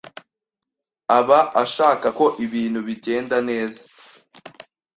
Aba ashaka ko ibintu bigenda neza